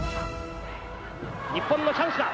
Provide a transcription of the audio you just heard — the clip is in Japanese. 日本のチャンスだ！